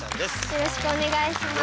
よろしくお願いします。